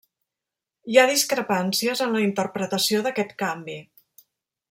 Hi ha discrepàncies en la interpretació d'aquest canvi.